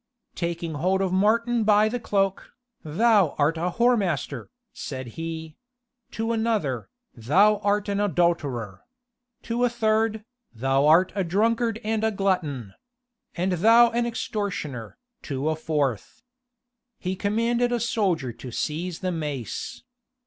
Taking hold of Martin by the cloak, "Thou art a whoremaster," said he; to another, "Thou art an adulterer;" to a third, "Thou art a drunkard and a glutton;" "And thou an extortioner," to a fourth. He commanded a soldier to seize the mace.